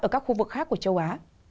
ở các khu vực khác của châu á